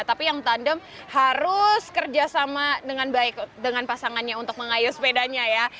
tapi yang tandem harus kerjasama dengan baik dengan pasangannya untuk mengayuh sepedanya ya